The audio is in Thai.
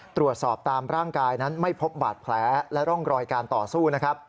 ตรวจสอบตามร่างกายนั้นไม่พบบาดแผลและร่องรอยการต่อสู้นะครับ